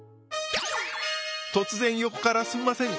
突然横からすんません